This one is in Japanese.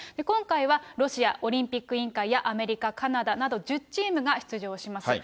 今回はロシアオリンピック委員会や、アメリカ、カナダなど１０チームが出場します。